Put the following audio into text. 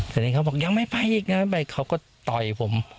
ตอนนี้เขาบอกยังไม่ไปอีกยังไม่ไปเขาก็ต่อยผม